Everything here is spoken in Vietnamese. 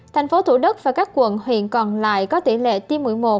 tp thủ đức và các quận huyện còn lại có tỉ lệ tiêm mũi một